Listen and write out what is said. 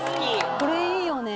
これ、いいよね。